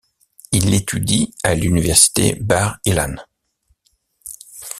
Il étudie à l'université Bar-Ilan.